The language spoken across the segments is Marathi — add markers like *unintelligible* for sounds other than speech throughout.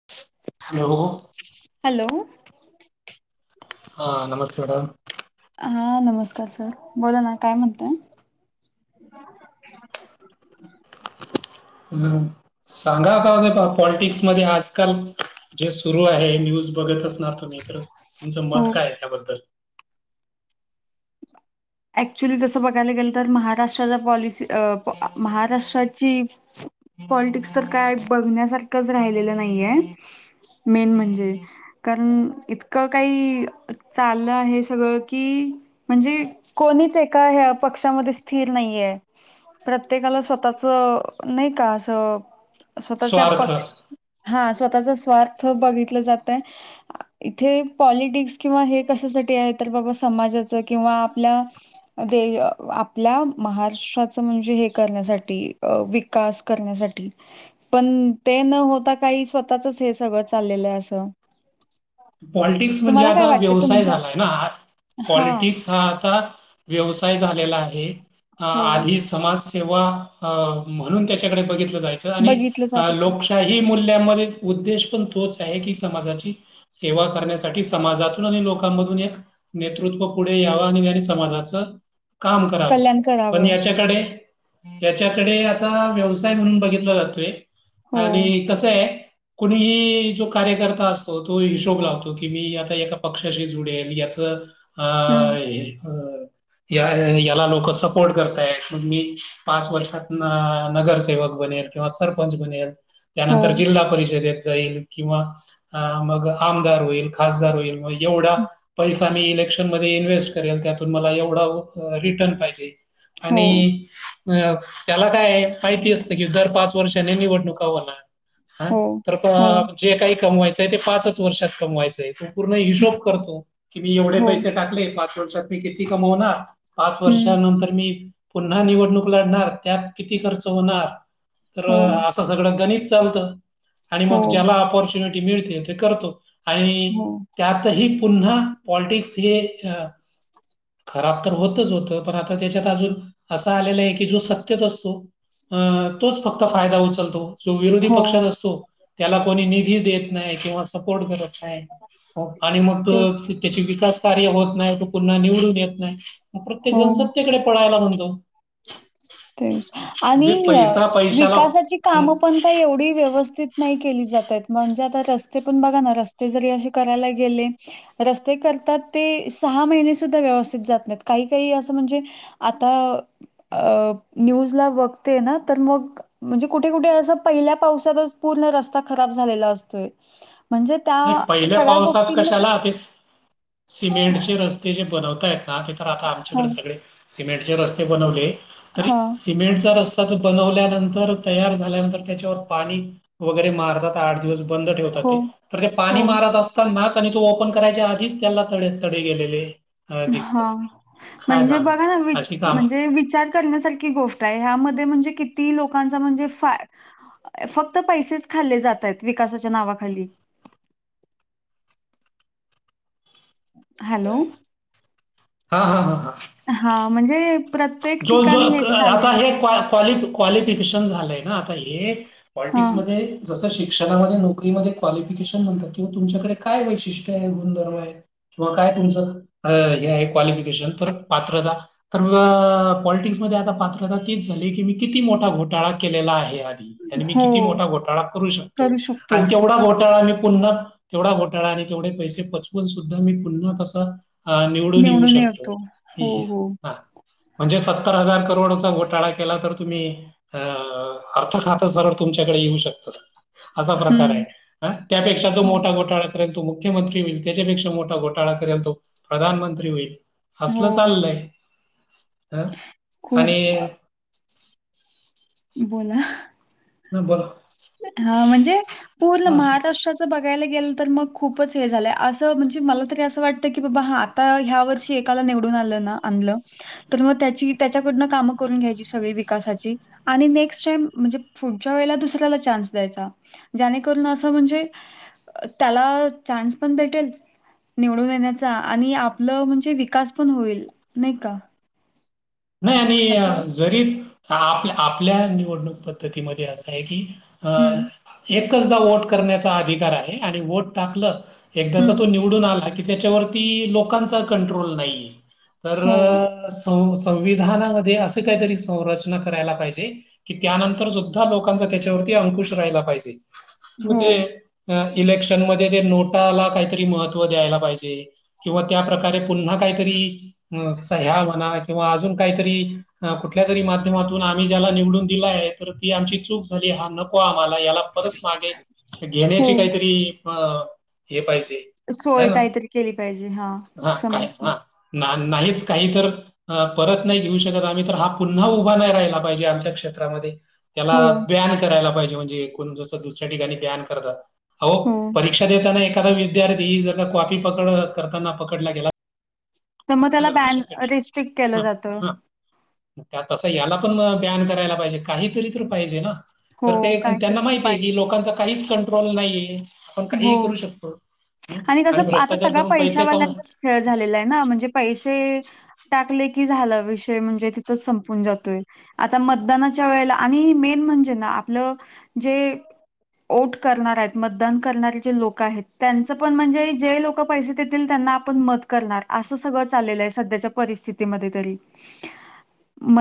*unintelligible* हॅलो. हॅलो. हा नमस्ते मॅडम. हा नमस्कार सर बोला ना काय म्हणताय. हो. *unintelligible* सांगा का पॉलिटिक्स मध्ये आजकाल जे सुरू आहे न्यूज बघत असणार तुम्ही तर तुमचं मत हो काय त्याबद्दल ॲक्च्युली जसं बघायला गेलं तर महाराष्ट्राच्या पॉलिसी महाराष्ट्राची पॉलिटिक्स तर काय बघण्यासारखंच राहिलेलं नाहीये. मेन म्हणजे. कारण इतकं काही चाललं आहे सगळं की म्हणजे कोणीच एका ह्या पक्षामध्ये स्थिर नाहीये. प्रत्येकाला स्वतःच नाही का असं स्वतःच्या स्वार्थ पक्ष हा स्वतःचा स्वार्थ बघितलं जातय. इथे पॉलिटिक्स किंवा हे कशासाठी आहे तर बाबा समाजाचं किंवा आपल्या आपल्या महाराष्ट्राचं म्हणजे हे करण्यासाठी विकास करण्यासाठी पण ते न होता काही स्वतःचच हे सगळं चाललेलं आहे असं पॉलिटिक्स म्हणजे तुम्हाला काय आता वाटते व्यवसाय तुमच्या झालाय ना हां, पॉलिटिक्स हा आता व्यवसाय झालेला आहे हो आधीच समाजसेवा म्हणून त्याच्याकडे बघितलं जायचं, आणि बघितलं जात होतं. लोक काही मूल्यांमध्ये उद्देश पण तोच आहे की, समाजाची सेवा करण्यासाठी समाजातून आणि लोकांमधून एक नेतृत्व पुढे यावं *unintelligible* समाजाचं काम करावं कल्याण पण करावं. याच्याकडे याच्याकडे आता व्यवसाय म्हणून बघितला जातोय, हो, आणि कसंय कोणीही जो कार्यकर्ता असतो तो हिशोब लावतो की मी आता एका पक्षाशी जुडेल याच अ हं, या याला लोक सपोर्ट करताय म्ह मी पाच वर्षात नगरसेवक बनेल, किंवा सरपंच बनेल. हो, त्यानंतर जिल्हा परिषदेत जाईल किंवा अं, आमदार होई खासदार होईल मग एवढा हं. पैसा इलेक्शन मध्ये इन्व्हेस्ट करेल त्यातून मला एवढा रिटर्न पाहिजे. हो, आणि अ त्याला काय माहिती असतं, की दर पाच वर्षाने निवडणुका होणार. हा हो, तर हो, जे काही कमवायचंय ते पाचच वर्षात कमवायचंय पूर्ण हिशोब करतो की, मी एवढे हो, पैसे टाकले पाच वर्षात मी किती कमवणार? पाच हं, वर्षानंतर मी पुन्हा निवडणूक लढणार त्यात किती खर्च होणार तर हो, अस सगळं गणित चालत आणि हो, मग ज्याला पॉर्च्युनिटी मिळते ते करतो. आणि हो, त्यातही पुन्हा पॉलिटिक्स हे अ खराब तर होतच होतं पण आता त्याच्यात अजून असं आलेलं आहे की जो सततेत असतो अ तोच फक्त फायदा उचलतो. जो विरोधी हो, पक्षात असतो त्याला कोणी निधी देत नाही किंवा सपोर्ट करत हो आणि मग तेच. त त्याचे विकास कार्य होत नाही तो पुन्हा निवडून येत नाही. प्रत्येक जण सत्तेकडे पळायला म्हणतो. ते म्हणजे आणि पैसा पैशाला विकासाची हं, कामं पण का एवढी व्यवस्थित नाही केली जात आहेत म्हणजे आता रस्ते पण बघा ना रस्ते जरी असे करायला गेले. रस्ते करतात ते सहा महिने सुद्धा व्यवस्थित जात नाही काही काही असं म्हणजे आता अ न्यूजला बघते ना तर मग म्हणजे कुठे कुठे अस पहिल्या पावसातच पूर्ण रस्ता खराब झालेला असतोय म्हणजे त्या नाही पहिल्या सगळ्या पावसात गोष्टींमध्ये कशाला ते सिमेंटचे रस्ते बताय तर आता आमच्याकडे हां, सगळे सिमेंटचे रस्ते बनवले तरि हां. सिमेंटचा रस्ता तर बनवल्यानंतर तयार झाल्यानंतर त्याच्यावर पाणी वगैरे मारतात आठ दिवस बंद ठेवतात हो, ते तर ते हो. पाणी मारा असना आणि तो ओपन करायच्या आधीच त्याला त तडे गेलेले. अ, हो दिसतात. काय म्हणजे सांगू? बघा ना वि अशी कामं. म्हणजे विचार गोष्ट आहे ह्यामध्ये म्हणजे किती लोकांचा म्हणजे फा फक्त पैसेच खाल्ले जात आहेत विकासाच्या नावाखाली हॅलो हा हा हा हा हा म्हणजे प्रत्येक ठिकाणी हेच चाललेलं आहे. क्ल क्वालिफिकेशन झालंय ना आता हे हां, पॉलिटिक्समध्ये जसं शिक्षणामध्ये नोकरीमध्ये क्वालिफिकेशन म्हणतात किंवा तुमच्याकडे काय वैशिष्ट्य आहे गुणधर्म आहे. किंवा काय तुमचं हे आहे क्वालिफिकेशन तर पात्र द तर म पॉलिटिक्स मध्ये आता पात्रता तीच झाली की मी किती मोठा घोटाळा केलेला आहे आणि मी हो. किती मोठा घोटाळा करू शकतो आणि तेवढा घोटाळा मी पुन्हा तेवढा घोटाळा आणि तेवढे पैसे पचवून सुद्धा मी पुन्हा कसा ह निवडून येऊ शकतो येतो. हो, हो. हा म्हणजे सत्तर हजार करोडचा घोटाळा केला तर तुम्ही अ अर्थ खात सरळ तुमच्याकडे येऊ शकतं असा प्रकार हं. आहे त्यापेक्षा जो हो, मोठा घोटाळा ेल तो मुख्यमंत्री होईल त्याच्यापेक्षा मोठा घोटाळा करेल तो प्रधानमंत्री होईल हो. अससल चाललंय हं आणि खूप अ, बोला ह बोला हा म्हणजे पूर्ण हां, असं. महाराष्ट्रा असं बघायला गेलं तर मग खूपच हे झालं आहे असं म्हणजे मला तरी असं वाटतं की बाबा हा आ आता ह्या वर्षी एकाला निवडून आलं ना आणलं तर मग त्याची त्याच्याकडनं कामं करून घ्यायची सगळी विकासाची आणि नेक्स्ट टाइम म्हणजे पुढच्या वेळेला दुसऱ्या ल चा द ज अस म्हणे त्याला चान्स पण भेटेल निवडून येण्याचा आणि आपलं म्हणजे विकास पण होईल नाही का नाही असं आणि जरी आपल्या आपल्या निवडणूक पद्धतीमध्ये असं आहे की अ हं, एकचदा वट करण्याचा अधिकार आहे आणि वट टाकलं एकदा हं. तो त्या लोकां कं्र नाही हो, संविधानामध्ये असे काहीतरी संरचना करायला पाहिजे कि त्यानंतर सुद्धा लोकांचा त्याच्यावरती अंकुश राहिला पाहिजे मग हो, ते इलेक्शन मध्ये ते नोटाला काहीतरी महत्त्व द्यायला पाहिजे किंवा त्या प्र्रकारे पुन्हा काहीतरी अ सह्या म्हणा किंवा अजून काहीतरी कुठल्या तरी माध्यमातून आम्ही ज्याला निवडून दिलाय तर ती आमची चूक झाली हा न आम्हाला याला परत मागे घेण्याची हो. काहीतरी ब हे पाहिजे. है सोय ना काहीतरी केली पाहिजे हा काय हा *unintelligible* ना नाहीच काही तर परत नाही घेऊ शकत आम्ही तर हा पुन्हा उभा नाही राहिला पाहिजे आमच्या क्षेत्रामध्ये त्याला हो, बॅन करायला पाहिजे म्हणजेण जसं दुसऱ्या ठिकाणी बॅन करतात अ हो. शिकक्षा देताना एखादा विद्यार्थी ही जर कॉपी पकड करताना पकडला गेला तर मग त्याला बॅन रेस्ट्रिक्ट केलं जातं त्यात तसं याला पण ब्यान करायला पाहिजे काहीतरी तर पाहिजे ना हो, तर ते त्यांना काहीतरी माहितीय उपाय की लोकांच काहीच कंट्रोल नाही आहे आपण हो. काहीही करू शकतो कसं आणि आता भ्रष्टाचार सगळा करून पैसे कमवू पैशावाल्यांचाच खेळ झालेला आहे ना म्हणजे पैसे टाकले की झाला विषय म्हणजे तिथंच संपून जातोय. आता मतदानाच्या वेळेला आणि मेन म्हणजे ना आपलं जे ओट करणार आहेत मतदान करणारी जी लोक आहेत त्यांच पण म्हणजे जे लोक पैसे देतील त्यांना आपण मत करणार असं सगळं चाललेलं आहे सध्याच्या परिस्थितीमध्ये तरी.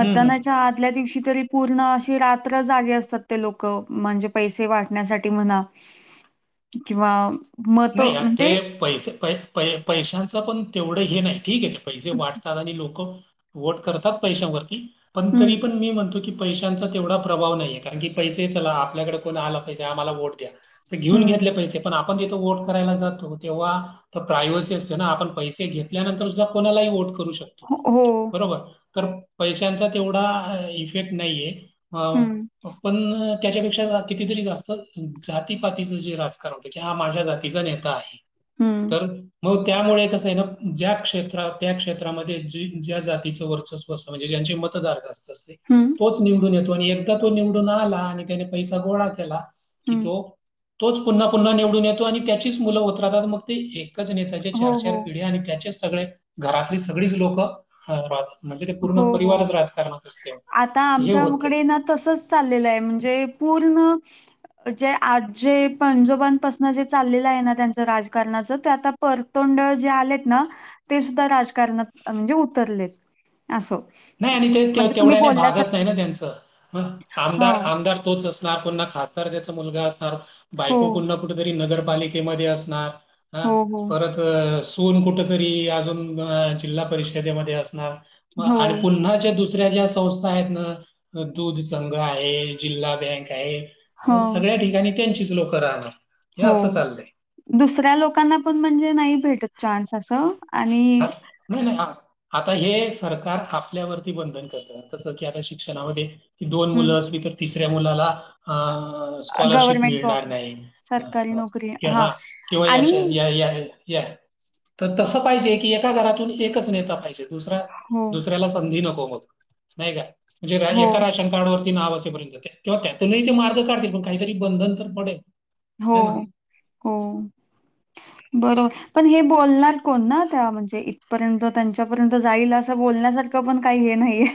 हम्म हम्म. आदल्या दिवशी तरी पूर्ण अशी रात्र जागे असतात ते लोक म्हणजे पैसे वाटण्यासाठी म्हणा किंवा मतं नाही ते म्हणजे पैसे प प पैशांचं पण तेवढं हे नाही ठीकय ते पैसे वाटतात आणि लोक ओट करतात पैशावरती पण हं, तरी पण मी म्हणतो की की पैशांचा तेवढा प्रभाव नाही आहे कारण की पैसे चला आपल्याकडे कोण आला पैसे आम्हाला वोट द्या. त घेऊन हं. घेतले पैसे पण आपण तिथे वोट करायला जातो तेव्हा तर प्रायव्हसी असते ना आपण पैसे घेतल्यानंतर सुद्धा कोणालाही वोट करू शकतो. हो. बरोबर तर पैशांचा तेवढा इफेक्ट नाहीेये. अ हं, आपण त्याच्यापेक्षा कितीतरी जास्त जातीपातीच जे राजकारण होत की हा माझ्या जातीचा नेता आहे. हम्म तर मग त्यामुळे कसं आहे ना ज्या क्षेत्रात त्या क्षेत्रामध्ये ज्या जातीचं वर्चस्व म्हणजे ज्यांचे मतदार अस हं, तोच निवडून येतो आणि एकदा तो निवडून आला आणि त्याने पैसा गोळा केला की हं. तो तोच पुन्हा पुन्हा निवडून येतो आणि त्याचीच मुलं होत राहतात मग ते एकच नेता चार हो, चार हो. पिढ्या आणि त्याचेच सगळे घरातली सगळीच लोकं राहता म्हणजे ते हो, पूर्ण हो. परिवारच राजकारणात असते हे होते. तसच चाललेलं आहे म्हणजे पूर्ण जे आजे पंजोबांपासून जे चाललेलं आहे ना त्यांचं राजकारणाचं ते आता परतोंड जे आलेत ना ते सुद्धा राजकारणात म्हणजे उतरलेत असो नाही आणि ते तेवढ्याने भागत नाही ना त्यांचं मग आमदार हां. आमदार तोच अस ना कोण खासदार त्याचा मुलगा असणार हो, बायको कुठ ना कुठेतरी नगरपालिकेमध्ये असणार. हा हो, हो. परत अ सून कुठ तरी अजून जिल्हा परिषदेमध्ये असणार. मग हो, आ पुन्हाच्या दुसऱ्या ज्या संस्था आहेत ना दूध संघ आहे जिल्हा बँक आहे. हो, सगळ्या ठिकाणी त्यांचीच लोकं राहतात. हो दुसऱ्या लोकांना पण म्हणजे नाही भेटत चान्स असं आणि आ- नाही नाही आता हे सरकार आपल्यावरती बंधन करतात तसं की आता शिक्षणामध्ये की दोन हं, मुलं असली तर तिसऱ्या मुलाला अ स्कॉलरशिप गव्हर्नमेंट जॉब, मिळणार नाही सरकारी नोकरी की हां. हा किंवा आणि याच्या या या या तर तसं पाहिजे की एका घरातून एकच नेता पाहिजे हो दुऱ्याला संधी नको नाही का हो म्हणे *inaudible* डवरती नाव असेपर्यंत किंवा त्यातूनही ते मार्ग काढतील पण काहीतरी बंधन तर पडेल हो है ना हो बरो पण हे बोलणार कोण ना त्या म्हणजे इथपर्यंत त्यांच्यापर्यंत जाईल असं बोलण्यासारख तो पण काही हे नाहीये.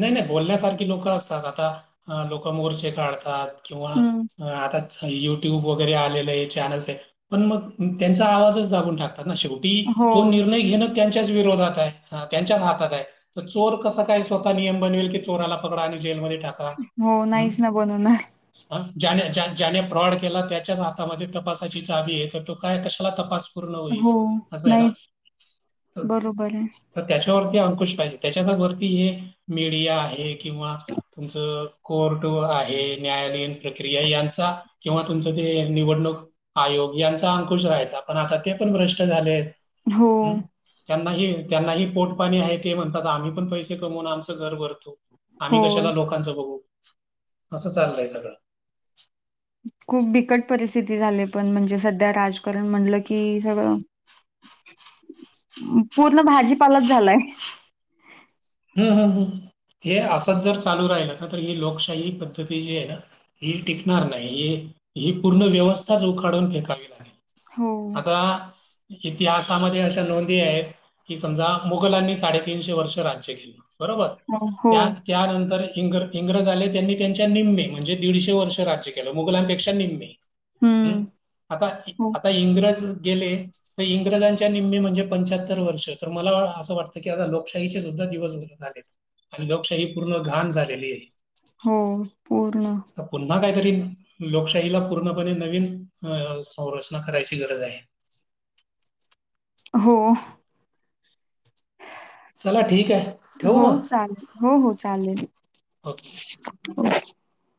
नाही नाही बोलण्यासारखी लोक असतात आता लोक मोर्चे काढतात. किंवा हम्म अ आता युट्यूब वगैरे आलेलं हे चॅनल्स आहे पण मग त्यांचा आवाजच दाबून टाकतात ना शे हो तो निर्णय घेण त्यांच्याच विरोधात आहे त्यांच्याच हातात आहे चोर कस काय स्वतः नियम बनवेल की चोराला पकडा आणि जेलमध्ये टाका हो नाहीच ना बनवणार ह ज्याने ज्याने फ्रॉड केला त्याच्याच हातामध्ये तपासाची जाबी येत तो काय कशाला तपास पूर्ण होईल? हो असं आहे ना. नाहीच तर बरोबर आहे तर त्याच्यावरती अंकुश पाहिजे त्याच्या वरती हे मीडिया आहे किंवा तुमचं कोर्ट आहे न्यायालयीन प्रक्रिया यांचा किंवा तुमचं ते निवडणूक आयोग यांचा अंकुश राहायचा पण आता ते पण भ्रष्ट झालेत हो हम्म त्यांनाही त्यांनाही पोट पाणी आहे ते म्हणतात आम्ही पण पैसे कमवणार फक्त घर भरु हो आम्ही कशाला लोकांचं बघू असं चाललंय सगळं खूप बिकट परिस्थिती झाली पण म्हणजे सध्या राजकारण म्हटलं की सगळं *unintelligible* पूर्ण भाजीपालच झालाय हम् ह ह हे असंच जर चालू राहिल ना तर ही लोकशाही पद्धती जी आहे ना ही टिकणार नाही हे ही पूर्ण व्यवस्थाच उखडून फेकावी लागेल. हो आता इतिहासामध्ये अशा नोंदी आहेत की समजा मुघलांनी साडेतीनशे वर्ष राज्य केली. बरोबर हो हो त्यात त्यानंतर इंग इंग्रज आले त्यांनी त्यांच्या निम्मे म्हणजे दीडशे वर्ष राज्य केलं मुघलांपेक्षा निम्मे हम्म आता हो आता इंग्रज गेले इंग्रजांच्या निम्मे म्हणजे पंच्याहत्तर वर्ष तर मला असं वाटतं की आता लोकशाहीचे सुद्धा दिवस हे झालेत आणि लोकशाही पूर्ण घाण झालेली आहे. हो पूर्ण आता पुन्हा काहीतरी लोकशाहीला पूर्णपणे नवीन अ संरचना करायची गरज आहे. हो. चला ठीक आहे ठेवू हो म चालेल हो हो चालेल ओके